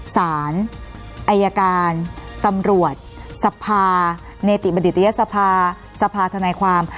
สารอายการตำรวจสภาเนติบัณฑิตยศภาสภาสภาธนายความ